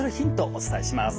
お伝えします。